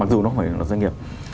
dù nó không phải là luật doanh nghiệp